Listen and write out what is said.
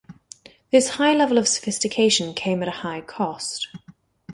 This high level of sophistication came at a high cost.